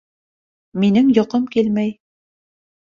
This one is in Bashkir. Минең йоҡом килмәй